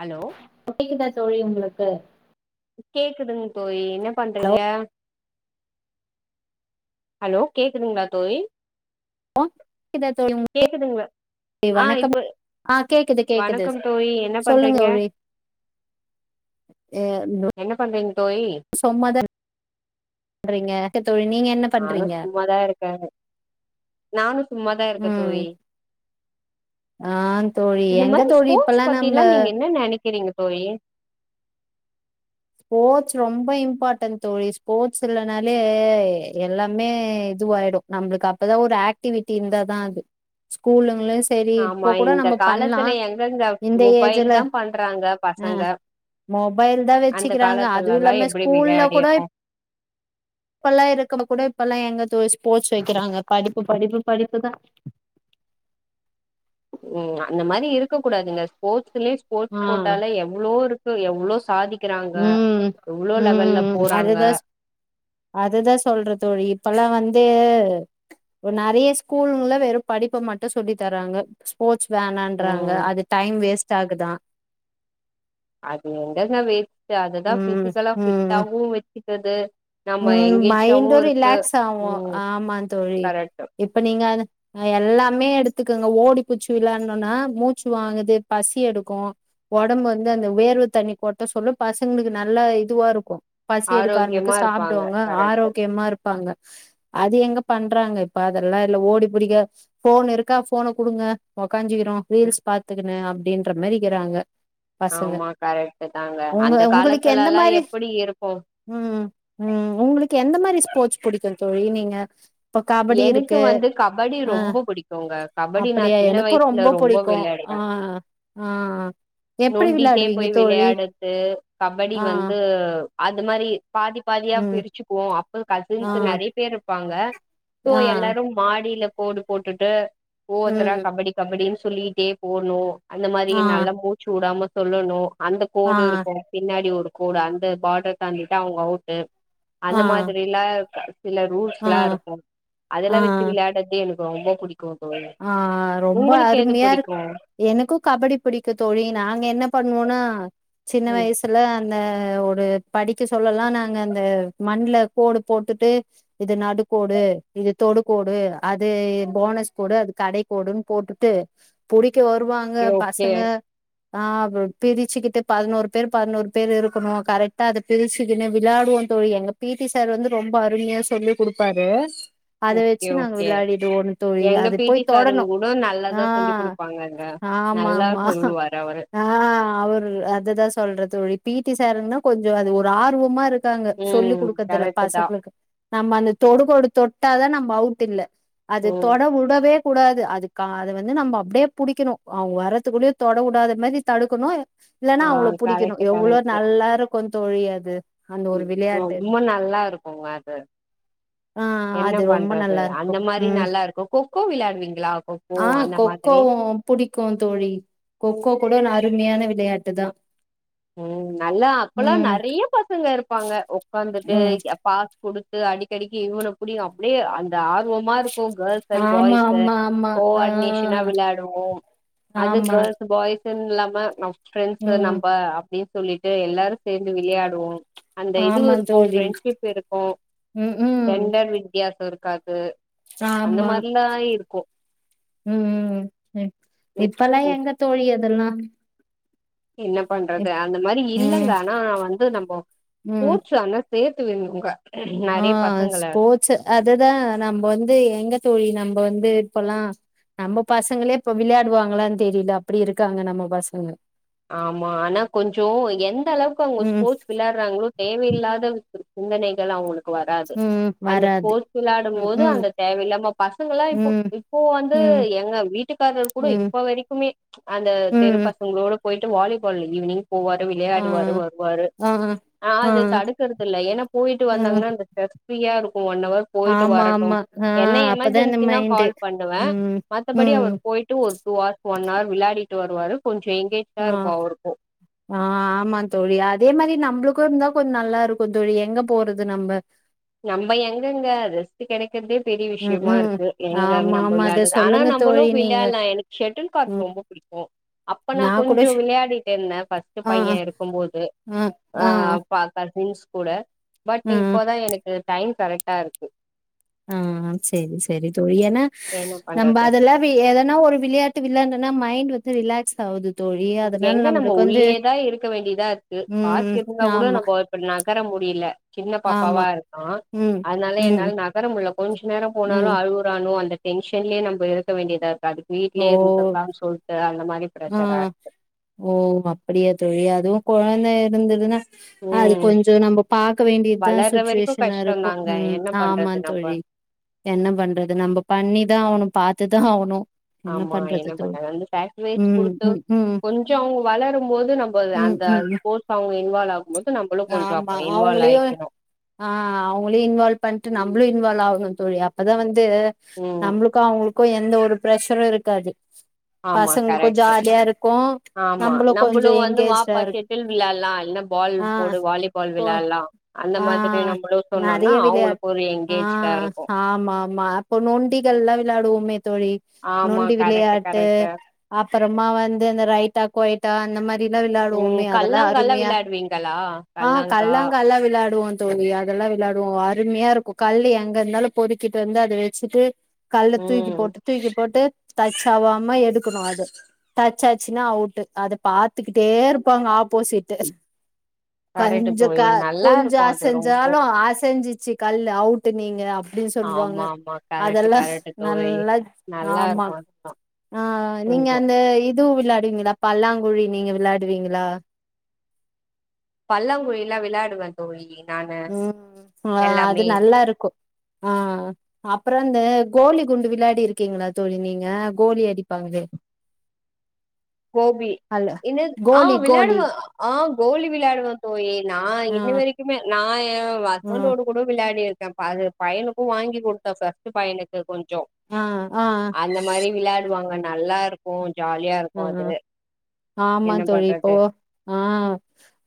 hello [unintelligible] தோழி உங்களுக்கு கேக்குதுங்க தோழி என்ன ஹலோ பண்றீங்க ஹலோ கேக்குதுங்களா தோழி கேக்குதா தோழி உங்களுக்கு கேக்குதுங்களா ஆ வணக்கம் இப்ப ஆ கேக்குது கேக்குது வணக்கம் தோழி என்ன சொல்லுங்க பண்றீங்க தோழி ஏ இந்த என்ன பண்றீங்க தோழி சும்மா தா பண்றீங்க தோழி நீங்க என்ன நானு பண்றீங்க சும்மாதா இருக்கே நானு சும்மாதா இருக்கே ம் தோழி ஆ தோழி இந்த எங்க மாரி தோழி ஸ்போர்ட்ஸ் இப்பல்லா நம்ம பத்தில்லா நீங்க என்ன நெனைக்கிறீங்க தோழி ஸ்போர்ட்ஸ் ரொம்ப இம்பார்ட்டன்ட் தோழி ஸ்போர்ட்ஸ் இல்லைனாலே எல்லாமே இதுவாயிடு நம்மளுக்கு அப்போதா ஒரு ஆக்டிவிட்டி இருந்தா தா அது ஸ்கூலுங்கள சரி ஆமா இப்போ கூட இந்த நம்ம பண்ணலா காலத்துல எங்கங்க இந்த மொபைல் ஏஜ்ல தா பண்றாங்க பசங்க ம் மொபைல் தா அந்த வச்சுக்கிறாங்க அதுவு காலத்துலலா இல்லாமே எப்டி ஸ்கூல்ல கூட விளையாடிருக்கோ இப்பெல்லா இருக்கது கூட இப்பல்லா எங்க தோழி ஸ்போர்ட்ஸ் வைக்கிறாங்க படிப்பு படிப்பு படிப்புதா ம் அந்த மாரி இருக்க கூடாதுங்க ஸ்போர்ட்ஸ்லயே ஸ்போர்ட்ஸ் ஆ கோட்டால எவ்ளோ இருக்கு எவ்ளோ சாதிக்கிறாங்க ம் எவ்ளோ லெவல்ல ம் போறாங்க அதுதா அதுதா சொல்றே தோழி இப்பல்லா வந்து நெறைய ஸ்கூல்ல வெறு படிப்ப மட்டு சொல்லி தராங்க ஸ்போர்ட்ஸ் வேணான்றாங்க ம் அது டைம் வேஸ்ட் ஆகுதா அது எங்கதா வேஸ்ட் ஆகுதா அதுதா ம் பிசிக்கலா ம் பிட்டாவு வச்சுக்குது நம்ம ம் எங்கேஜாவு மைண்டு இருக்கு ரிலாக்ஸ் ஆகு ம் ஆமா தோழி கரெக்ட் இப்ப நீங்க எல்லாமே எடுத்துக்கங்க ஓடி புடுச்சு விளயாடுனோன்னா மூச்சு வாங்குது பசி எடுக்கு ஓடம்பு வந்து அந்த வெர்வை தண்ணி கொட்ட சொல்ல பசங்களுக்கு நல்லா இதுவா இருக்கு பசி எடுக்க ஆரம்பிக்கு ஆரோக்கியமா இருப்பாங்க சாப்டுவாங்க கரெக்ட் ஆரோக்கியமா இருப்பாங்க அது எங்க பண்றாங்க இப்ப அதெல்லா இல்ல ஓடி புடிக்க போன் இருக்கா போன குடுங்க உக்காஞ்சுக்கிறோ ரீல்ஸ் பாத்துக்குணு அப்டின்ற மாரிக்கிறாங்க ஆமா கரெக்ட் தாங்க அந்த உங்களுக்கு காலத்துல எந்த எல்லா மாரி எப்புடி இருக்கு ம் ம் உங்களுக்கு எந்த மாரி ஸ்போர்ட்ஸ் புடிக்கு தோழி நீங்க இப்ப கபடி எனக்கு இருக்கு வந்து கபடி ஆ ரொம்ப புடிக்குங்க கபடி நா அப்படியா சின்ன எனக்கு வயசுல ரொம்ப புடிக்கு விளையாடுவே ஆ ஆ எப்டி நொண்டிட்டே விளாடுவீங்க போய் தோழி விளையாடது கபடி ஆ வந்து அது மாரி பாதி பாதியா ம் பிரிச்சுக்குவோ அப்ப ஆ கசின்ஸ் நெறைய பேர் இருப்பாங்க சோ ஆ எல்லாரு மாடியில கோடு போட்டுட்டு ஒவ்வொருத்தரா ம் கபடி கபடின் சொல்லிட்டே போணு அந்த மாதி ஆ நல்லா மூச்சு வுடாம சொல்லணு அந்த ஆ கோடு இருக்கு பின்னாடி ஒரு கோடு அந்த பார்டர் தாண்டிட்டா அவங்க அவுட்டு ஆ அந்த மாதிரிலா சில ஆ ரூல்ஸ்லா இருக்கு அதெல்லா வச்சு ஆ விளாட்றது எனக்கு ரொம்ப பிடிக்கு தோழி ஆ ரொம்ப உங்களுக்கு எது அருமையா பிடிக்கு இருக்கு எனக்கு கபடி பிடிக்கு தோழி நாங்க என்ன பண்ணுவோன்னா சின்ன ம் வயசு ல அந்த ஒரு படிக்க சொல்லலா நாங்க அந்த மண்ல கோடு போட்டுட்டு இது நடுக்கோடு இது தொடுகோடு அது போனஸ் கூடு அது கடைக்கோடுன் போட்டுட்டு புடிக்க வருவாங்க ஓகே பசங்க ஆ பிரிச்சுக்கிட்டு பதினோரு பேர் பதினோரு பேர் இருக்கணு கரெக்டா அத பிரிச்சுகினு விளாடுவோ தோழி எங்க பி டி சார் வந்து ரொம்ப அருமையா சொல்லி குடுப்பாரு அத ஓகே வச்சு நாங்க ஓகே விளாடிடுவோம் தோழி எங்க அத் அத பி டி போய் சாருங் தொடணு கூட ஆ நல்லாதா சொல்லி குடுப்பாங்கங்க ஆமா நல்லா ஆமா சொல்லுவாரு அவரு ஆ அவரு அதுதா சொல்றே தோழி பி டி சாருன்னா கொஞ்சோ அது ஒரு ஆர்வமா இருக் காங்க சொல்லி ம் குடுக்கறதுல கரெக்ட் தா பசக்களுக்கு நம்ம அந்த தொடுகோடு தொட்டாதா நம்ம அவுட் இல்ல அது ம் தொடவு வுடவே கூடாது அதுக்க அத வந்து நம்ம அப்டியே புடிக்கணு அவுங்க வரதுக்குள்ளே தொடவுடாத மாதி தடுக்கணு இல்லன்னா ஆ அவுங்கள புடிக்கணு கரெக்ட் எவ்ளோ கரெக்ட் நல்லா இருக்கு தோழி அது அந்த ஒரு ம் விளையாட்டு ரொம்ப நல்லா இருக்குங்க அது ஆ என்ன அது ரொம்ப பண்றது நல்லா இருக்கு அந்த மாரி ம் நல்லா இருக்கு கொக்கோ விளாடுவீங்களா கொக் ஆ கொக்கோவு புடிக்கு தோழி கொக்கோ கூட ந அருமையான விளையாட்டு தா ம் நல்லா அப்பல்லா ம் நெறையா பசங்க இருப்பாங்க உக்காந்துட்டு ம் எப்பா குடுத்து அடிக்கடிக்கு இவன புடி அப்டியே அந்த ஆர்வமா இருக்கு கேர்ள் அண்ட் ஆமா பாய்ஸு ஆமா ஆமா கோ ஆ ஆடினேஷனா விளாடுவோ அது ஆமா கர்ள்ஸ் பாய்ஸ் ஸூன் இல்லாம நம் ஃப்ரெண்ட்ஸ் ம் நம்ப அப்டின் சொல்லிட்டு எல்லாரு சேந்து விள்யாடுவோ அந்த இதுவு ஆமா இருக்கு தோழி ஃப்ரெண்ட்ஷிப் இருக்கு ம் ம் ஜெண்டர் வித்யாசோ இருக்காது ச அந்த ஆமா மாரிலா இருக்கு ம் ம் ம் ம் இப்பெல்லா எங்க தோழி அதுல்லா என்ன பண்றது அந்த மாரி ம் இல்லங்க ஆனா வந்து நம்ம ம் போச்சு அந்த சேத்து விட்ணுங்க நறைய பசங்கள ச அது தா நம்ப வந்து எங்க தோழி நம்ப வந்து இப்பல்லா நம்ம பசங்களே இப்ப விள்யாடுவாங்களான் தெரில அப்டி இருக்காங்க நம்ம பசங்க ஆமா ஆனா கொஞ்சோ எந்த அளவுக்கு அவங்க ம் ஸ்போர்ட்ஸ் விளாட்றாங்களோ தேவையில்லாத சிந்தனைகள் அவங்களுக்கு வராது ம் அந்த வராது ஸ்போர்ட்ஸ் வெளாடும் ம் போது ம் அந்த தேவயில்லாம பசங்கலா இப்போ ம் இப்போ வந்து ம் எங்க வீட் வீட்டுக்காரர் கூட ம் இப்போ வரைக்குமே அந்த தெரு ம் பசங்களோட போயிட்டு வாலிபால் ஈவினிங் போவாரு ஆ விளையாடுவாரு வருவாரு ஆ ஆ தடுக்கறதில்ல ஏனா போய்ட்டு ம் வந்தாங்கனா அந்த ஸ்ட்ரெஸ் ஃப்ரீயா இருக்கு ஒன் அவர் போய்ட்டு ஆமா வரட்டு ஆமா ஆ என்ன அப்பதான் இந்த எமர்ஜென்சினா மைண்டு கால் பண்ணுவே ம் மத்தபடி ம் அவர் போய்ட்டு ஒர் டூ ஹார்ஸ் ஒன் ஆர் விளையாடிட்டு வருவாரு கொஞ்சோ எங்கேஜ் ஆ ஆ ஆமா தோழி அதே மாரி நம்ளுக்கு இருந்தா கொஞ்ச நல்லா இருக்கு தோழி எங்க போறது நம்ப நம்ப எங்கங்க ரெஸ்ட் கெடைக் கற்தே பெரிய ம் விஷ்யமா ம் இருக்கு எங்க ஆமா நம்ப ஆமா அத விளையாட்றது ஆனா சொல்லுங்க நம்பளு தோழி நீங்க விளையாட்லா எனக் ஷெட்டெல் கார்க் ம் ரொம்ப புடிக்கு அப்ப நா கூட கொஞ்ச ஷ் விளையாடிட் இருந்தே ஃபர்ஸ்ட்டு ஆ பைய இருக்கும் போது ஆ அப்ப அத்த டிவின்ஸ் கூட பட் ஆ இப்போதா எனக்கு டைம் கரெக்டா இருக்கு ஆ செரி செரி தோழி ஏனா என்ன நம்ப பண்றது அதுல பி எதனா ஒரு விளையாட்டு விளையாட்னன்னா மைண்ட் வந்து ரிலாக்ஸ் ஆவுது இங்க எங்க நம்ம உள்ளயேதா இருக்க வேண்டியதா இருக்கு ம் பார்க் இருந்தா கூட ஆமா நம்ம இப்போ நகற முடில சின்ன பாப்பாவா ஆமா இருக்கா ம் அதனால ம் என்னால ந நகற முட்ல கொஞ்ச நேரோ போனாலு ம் அழுவுறானோ அந்த டென்ஷன்லயே நம்ப இருக்க வேண்டியதா இருக்கு அது ஓ வீட்லயே இருந்தட்லான் சொல்ட்டு அந்த மாரி ஆ ப்ரஷரா இரு ஓ அப்டியா தோழி அதுவு கொழந்த இருந்துதுனா அது ம் கொஞ்சோ நம்ப பாக்க வேண்டியத்தா வளர்ற வரைக்கு சுட்சுவேஷனா இருக்கு கஷ்டோந்தாங்க உம் என்ன ஆமா பண்றது நம்ம தோழி என்ன பண்றது நம்ப பண்ணிதா ஆவணு பாத்துதா ஆவணு ஆமா பண்றது என்ன தோழி பண்ண வந்து [unintelligible] வெயிட் ம் குடுத்து ம் ம் கொஞ்சோ அவங் வளரும்போது நம்ப ம் அந்த ம் ஸ்போர்ட்ஸ் அவங்க இன்வால்வ் ஆகு கும்போது நம்பளு கொஞ்சோ ஆமா அப்ப இன்வால் அவங்களையு ஆய்க்கனு ஆ அவங்களையு இன்வால்வ் பண்ட்டு நம்மளு இன்வால்வ் ஆகணு தோழி அப்பதா வந்து ம் நம்ளுக் கு அவுங்குளுக்கு எந்த ஒரு ப்ரஷரு இருக்காது ஆமா பசங்களுக்கு கரெக்ட் ஜாலியா இருக்கு நம்ளு கொஞ்சோ என்கேஜ்டா இருக் இல் விளாட்ல்லா இல்னா பால் போடு வாலிபால் ஆ விளாட்ல்லா அந்த ஆ மாத்ரி நம்மளு சொன்னோன்னா நெறைய அவுங்குளுக் ஒரு என்கேஜ்டா இருக்கு மாம்மா அப்போ நொண்டிகள்லா விளயாடுவோமே தோழி ஆமா நொண்டி கரெக்ட் விளையாட்டு கரெக்ட் அப்பறமா வந்து அந்த ரைட்டா கொய்டா அந்த மார் தில்லா ம் விளாடுவோமே அதெல்லா கல்லாங்கால்லா அருமையா விளையாடுவீங்களா ஆ கல்லாங்கா கல்லாங்கால்லா விளாடுவோ தோழி அதெல்லா விளாடுவோ அருமையா இருக்கு கல்லு எங்க இருந்தாலு பொறிக்கிட் வந்து அது வெச்சுட்டு கல்ல தூக்கி ம் போட்டு தூக்கி போட்டு டச் ஆவாம எடுக்குணு அது டச் ஆச்சுனா அவுட்டு அத பாத்துக்கிட்டே இருப்பாங்க ஆப்போசிட்டு கரெக்ட் கஞ்ச க தோழி நல்லா கொஞ்சோ இருக்கு அது ரொம்போ அசஞ்சாலு அசஞ்சிச்சு கல்லு அவுட்டு நீங்க அ ப்டி சொல்வாங்க ஆமா ஆமா கரெக்ட் அதெல்லா கரெக்ட் தோழி நல்லா நல்லா ஆமா இருக்கு அதுதா ஆ நீங்க கொஞ்சோ அந்த இது விளாடுவீங்களா பல்லாங்குழி நீங்க விளாடுவீங்களா பல்லாங்குழிலா விளாடுவே தோ [unintelligible] நானு உம் அ அது எல்லாமே நல்லா இருக்கு ஆ அப்ற ஆந்த கோலி குண்டு விளாடிருக்கீங்களா தோழி நீங்க கோலி அடிப்பாங்களே கோபி அல்ல என்னத் ஆ கோலி கோலி விளாடுவ ஆ கோலி விளாடுவ தோழி நா ஆ இன்னி வரைக்குமே நா ஏ ஆ ஹஸ்பண்டோடு கூடோ விளாடி இருக்கே பா பையனுக்கு வாங்கி குடுத்த ஃபஸ்ட்டு பையனுக்கு கொஞ்சோ ஆ ஆ அந்த மாறி விளாடுவாங்க நல்லா இருக்கும் ஜாலியா இருக் கும் ஆ அது ஆமா என்ன தோழி இப்போ பண்றது ஆ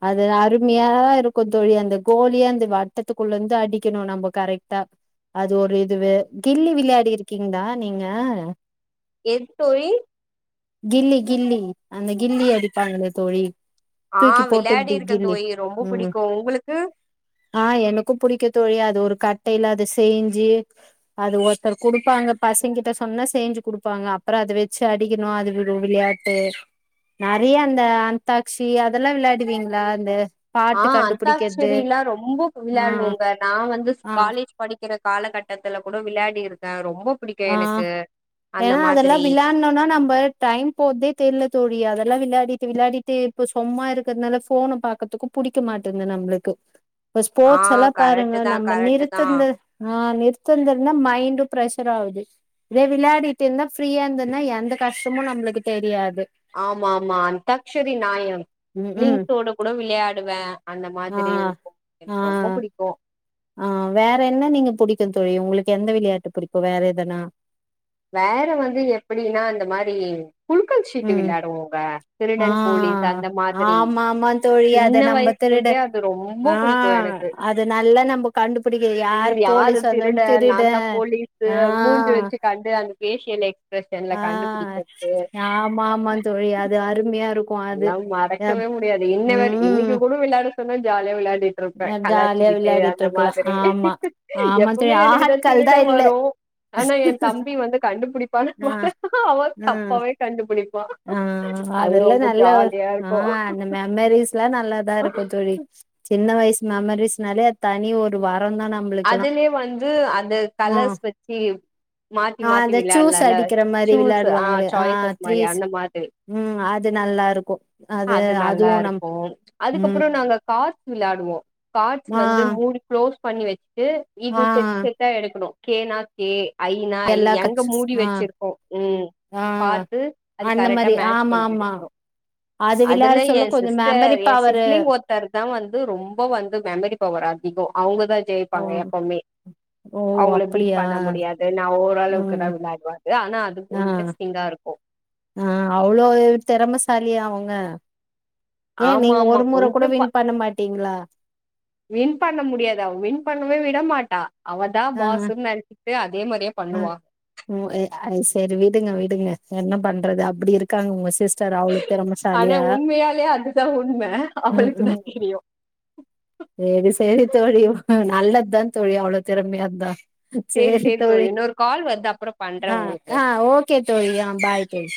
அது அருமையா இருக்கும் தோழி அந்த கோலிய அந்த வட்டத்துகுள்ள இருந்து அடிக்கணு நம்ப கரெக்ட்டா அது ஒரு இதுவு கில்லி விளையாடியிருக்கீங்களா நீங்க எத் தோழி கில்ல கில்லி அந்த கில்லி அடிப்பாங்களே தோழி ஆ தூக்கி போட்டு இப்டி விளாடிருக்கே கில்லி தோழி ரொம்ப ம் புடிக்கும் உங்களுக்கு ஆ எனக்கும் புடிக்கும் தோழி அது ஒரு கட்டையில அத செய்ஞ்சு அது ஒருத்தர் குடுப்பாங்க பசங்கிட்ட சொன்னா செய்ஞ்சு குடுப்பாங்க அப்புறோ அத வெச்சு அடிக்கணு அது ஒரு விளையாட்டு நெறையா அந்த அந்தாக்ஸ்சி அதெல்லா விளாடுவீங்களா அந்த ஆ பாட்டு கண்டுபிடிக்கிறது அந்தாக்ஸரில்லா ரொம்ப ஆ விளையாடுவேங்க நா வந்து ஆ காலேஜ் படிக்கிற காலகட்டத்துல கூட விளையாடியிருக்கே ரொம்ப புடிக் அ ஏன்னா அதெல்லா விளையாட்ணுன்னா நம்ப டைம் போற்தே தெர்ல தோழி அதெல்லா விளாடிட்டு விளாடிட்டு இப்ப சும்மா இருக்கறதுனால ஃபோன பாக்கதுக்கும் புடிக்க மாட்டேன்து நம்மளுக்கு இப்ப ஆ ஸ்போர்ட்ஸ் எல்லா பாருங்க கரெக்ட் தா நம்ம கரெக்ட் தா நிறுத்துன்து ஆ நிறுத்துன்து இருந்துதா மைண்ட் பிரஷ் சர் ஆவுது இதே விளையாடிட்டு இருந்தா ஃப்ரியா இருந்ததுன்னா எந்த கஷ்டமு நம்மளுக்கு தெரியாது ஆமா ஆமா அந்தாக்ஷரி நாயம் ம் ம் உப்லிங்ஸ் ஓட கூட விளையாடுவே அந்த ஆ மாதிரி இருக்கும் ஆ போ ஆ வேற என்ன நீங்க புடிக்கும் தோழி உங்களுக்கு எந்த விளையாட்டு புடிக்கும் வேற எதனா வேற வந்து எப்டின்னா இந்த மாறி குலுக்கல் சீட்டு ம் விளையாடுவோங்க ஆ திருடன் போலீஸ் அந்த மாதிரி ஆமா ஆமா தோழி சின்ன அத நம்ம வயசு திருட சின்ன [unintelligible] அது ரொம்ப ஆ புடிக்கும் எனக்கு அது நல்லா நம்ம கண்டுபிடிக்க யார் ம் யாரு போலீஸ் திருட வந்தவன் நா தா போலீஸ்சு ஆ மூஞ்ச வச்சு கண்டு அந்த வேஷியலைஸ் ஆ ஆமா ஆமா தோழி அது அருமையா இருக்கும் அது அப் க்கவே முடியாது இன்ன வறீ இன்னிக்கு ம் கூட விளையாட சொன்னா ஜாலியா விளையாடிட்டு இருப்பே ஜாலியா கலாச்சிக்கிட்டு விளையாடிட்டு இந்த இருக்கலா மாதிரி ஆமா ஆமா தோழி எப்பவுமே எனக்கு தா ஆட்கள் திருடன் இல்ல வரும் ஆனா என் தம்பி வந்து கண்டுபுடிப்பானா அ அ து கண்டுபுடிப்பா ஆ அதெல்லா நல்லா ஆ இருக்கு அந்த மே மெமரிஸ்லா நல்லா தா இருக்கும் தோழி சின்ன வயசு மெமரிஸ்னாலே அத் தனி ஒரு வரோ தான அதுலயே வந்து அந்த ம் கலர்ஸ் வச்சி மாத்தி ஆ மாத்தி அந்த விளையாட்லா சூஸ் இல்ல அடிக்கிற மாரி சூஸ்சு ஆ விளையாடுவாங்களே சாய்சஸ் மாறி த்ரீஸ் அந்த மாதிரி ம் அது நல்லா இருக்கு அது நல்லா அதுவு நம் இருக்கும் ம் அதுக்கப்புறோ நாங்க காட்ஸ் விளாடுவோ காட்ஸ் ஆ வந்து மூடி க்ளோஸ் பண்ணி வச்சுட்டு இது ஆ செட் செட் டா எடுக்கணு கேனா கே ஐனா ஐ எல்லா எங்க கட்ஸ் மூடி ஆ வச்சிருக்கு ம் ஆ பாத்து அது அந்த கரெக்டா மாரி மேட்ச் ஆமா பண்ணி ஆமா எடுக்கணு அது விளாட அதுல எ சொல்ல கொஞ்சோ மெமரி சிஸ்டர் என் பவரு சிப்லிங் ஒத் தர் தா வந்து ரொம்ப வந்து மெமரி பவர் அதிகோ அவங்கதா ஜெயி ஓ ப்பாங்க எப்போமே ஓ அவங்கள பீட் அப்படியா பண்ண முடியாது நா ஓரளவுக்கு ம் தா விளாடுவ ஆனா அதுவு ஆ இன்ரெஸ்டிங்கா இருக்கும் ஆ அவ்ளோ திறமசாலியா அவங்க ஏ ஆமா நீங்க ஆமா ஒரு முற கூட கொஞ்சோ ப வின் பண்ண மாட்டீங்களா வின் பண்ண முடியாது அவ வின் பண்ணவே விட மாட்டா அவதா ஆ பாஸ்ன்னு நெனைச்சிட்டு அதே மாதிரியே ஆ பண்ணுவான் ம் ஏ ஆ செரி விடுங்க விடுங்க என்ன பண்றது அப்டி இருக்காங்க உங்க சிஸ்டர் அவளுக் ஆனா உண்மையாலே அதுதா உண்ம அவளுக்கு தா தெரியு செரி செரி தோழி நல்லதுஸதா தோழி அவ்ளோ திறமையா இருந்தா சேரி செரி சேரி தோழி இன்னொரு கால் வருது அப்புறோ பண்றே ஆ உங்களுக்கு ஆ ஓக் கே தோழி ஆ பாய் தோழி